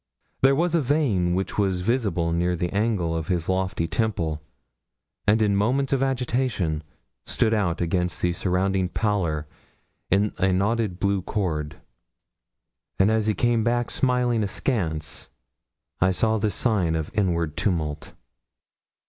There was a vein which was visible near the angle of his lofty temple, and in moments of agitation stood out against the surrounding pallor in a knotted blue cord; and as he came back smiling askance, I saw this sign of inward tumult.